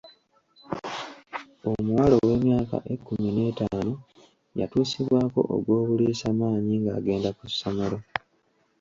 Omuwala ow'emyaka ekkumi n'etaano yatuusibwako ogw'obuliisamaanyi ng'agenda ku ssomero.